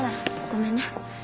ごめんね